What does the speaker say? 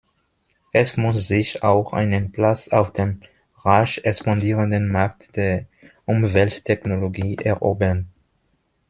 Es muss sich auch einen Platz auf dem rasch expandierenden Markt der Umwelttechnologie erobern.